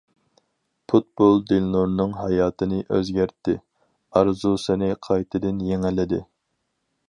پۇتبول دىلنۇرنىڭ ھاياتىنى ئۆزگەرتتى، ئارزۇسىنى قايتىدىن يېڭىلىدى.